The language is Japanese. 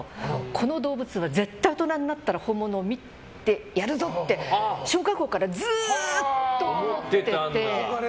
この動物は絶対に大人になったら本物を見てやるぞって小学校からずっと思ってて。